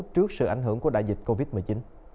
trước sự ảnh hưởng của đại dịch covid một mươi chín